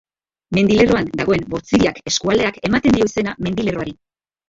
Mendilerroan dagoen Bortziriak eskualdeak ematen dio izena mendilerroari.